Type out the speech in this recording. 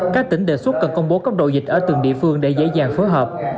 các tỉnh đề xuất cần công bố cấp độ dịch ở từng địa phương để dễ dàng phối hợp